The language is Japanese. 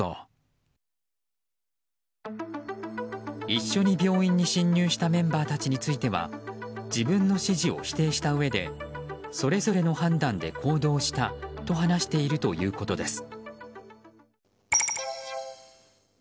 一緒に病院に侵入したメンバーたちについては自分の指示を否定したうえでそれぞれの判断で行動したと話しているということです。